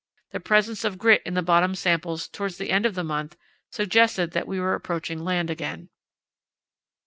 The presence of grit in the bottom samples towards the end of the month suggested that we were approaching land again.